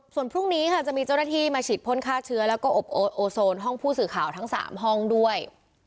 ส่วนพรุ่งนี้ค่ะจะมีเจ้าหน้าที่มาฉีดพ่นฆ่าเชื้อแล้วก็อบโอโซนห้องผู้สื่อข่าวทั้ง๓ห้องด้วย